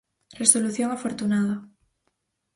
Resolución afortunada.